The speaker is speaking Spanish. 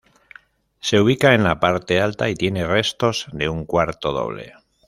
Se ubica en la parte alta y tiene restos de un cuarto doble.